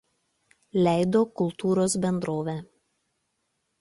Leido „Kultūros“ bendrovė.